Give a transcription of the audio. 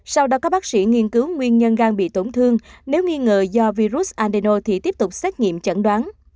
sau đó các bác sĩ nghiên cứu nguyên nhân gan bị tổn thương nếu nghi ngờ do virus andeno thì tiếp tục xét nghiệm chẩn đoán